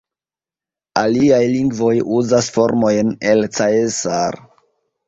Aliaj lingvoj uzas formojn el "caesar".